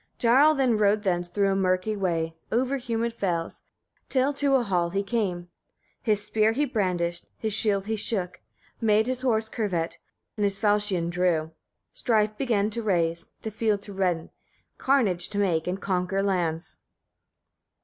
34. Jarl then rode thence, through a murky way, over humid fells, till to a hall he came. His spear he brandished, his shield he shook, made his horse curvet, and his falchion drew, strife began to raise, the field to redden, carnage to make; and conquer lands.